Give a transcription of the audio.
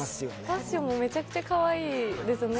ファッションもめちゃくちゃかっこいいですよね。